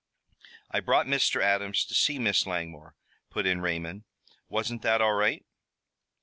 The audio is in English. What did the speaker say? "I brought Mr. Adams to see Miss Langmore," put in Raymond. "Wasn't that all right?"